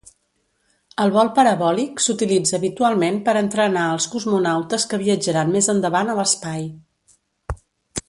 El vol parabòlic s'utilitza habitualment per entrenar els cosmonautes que viatjaran més endavant a l'espai.